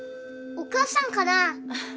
お母さんかな？